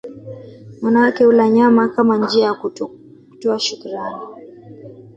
Wanawake hula nyama kama njia ya kutoa shukurani